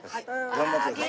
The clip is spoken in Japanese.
頑張ってください。